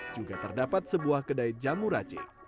juga terdapat sebuah kedai jamu racik